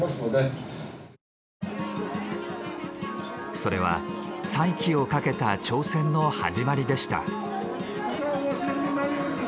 それは再起をかけた挑戦の始まりでした。